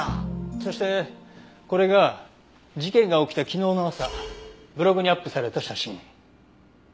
そしてこれが事件が起きた昨日の朝ブログにアップされた写真。